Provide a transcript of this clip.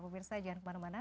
pemirsa jangan kemana mana